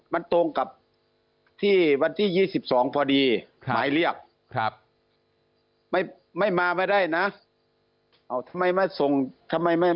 มันตรงกับที่วันที่๒๒พอดีหมายเรียกไม่มาไม่ได้นะทำไมมาส่งทำไมไม่